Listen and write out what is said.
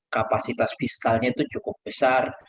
kapasitas fiskalnya itu cukup besar